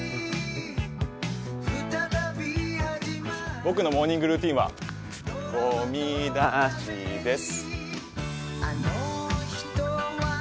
僕のモーニングルーチンはごみ出しです。